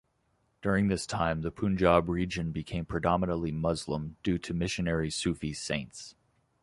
During this time, the Punjab region became predominantly Muslim due to missionary Sufi saints.